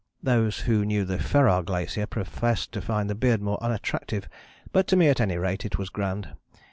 Those who knew the Ferrar Glacier professed to find the Beardmore unattractive, but to me at any rate it was grand.